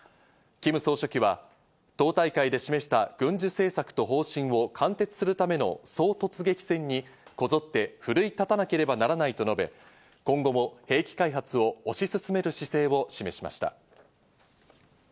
キム総書記は党大会で示した軍需政策と方針を貫徹するための総突撃戦にこぞって奮い立たなければならないと述べ、今後も兵器開発を押し進める姿勢を示しました。